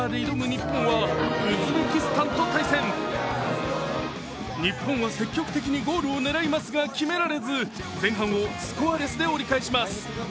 日本は積極的にゴールを狙いますが決められず前半をスコアレスで折り返します。